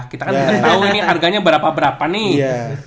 kita kan tau ini harganya berapa berapa nih